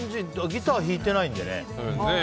ギター弾いてないんだよね。